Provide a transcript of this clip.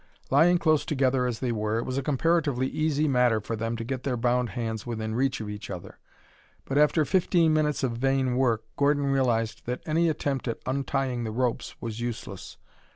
Lying close together as they were, it was a comparatively easy matter for them to get their bound hands within reach of each other, but after fifteen minutes of vain work Gordon realized that any attempt at untying the ropes was useless.